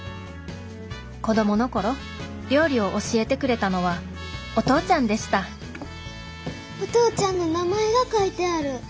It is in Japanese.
子供の頃料理を教えてくれたのはお父ちゃんでしたお父ちゃんの名前が書いてある。